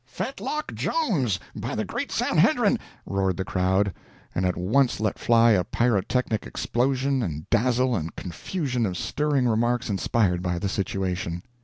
"Fetlock Jones, by the great Sanhedrim!" roared the crowd; and at once let fly a pyrotechnic explosion and dazzle and confusion of stirring remarks inspired by the situation.